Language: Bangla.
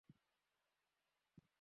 তুমি এখানে একা থাকতে পারবে না।